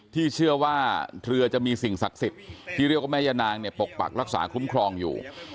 ที่เชื่อว่าเรือจะมีสิ่งศักดิ์สิทธิ์ที่เรียกว่าแม่ย่านางเนี่ยปกปักรักษาคุ้มครองอยู่